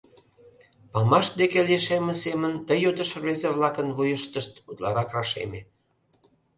Памаш деке лишемме семын ты йодыш рвезе-влакын вуйыштышт утларак рашеме.